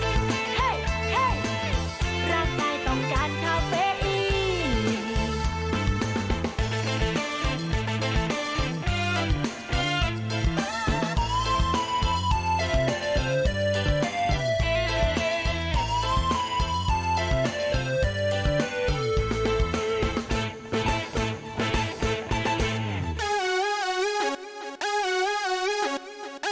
เฮ้ยเฮ้ยเราใกล้ต้องการคาวเฟย์อีน